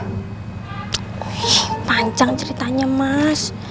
ih panjang ceritanya mas